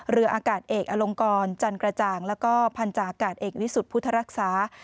เรืออากาศเอกอลงกรจันกระจ่างแล้วก็พันธาอากาศเอกวิสุทธิ์พุทธรักษา